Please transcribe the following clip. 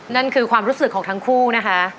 นั่นคือความรู้สึกของทั้งคู่นะคะ